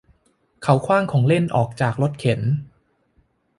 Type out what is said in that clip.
เขาขว้างของเล่นออกจากรถเข็น